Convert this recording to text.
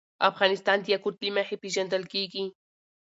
افغانستان د یاقوت له مخې پېژندل کېږي.